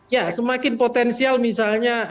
ya semakin potensial misalnya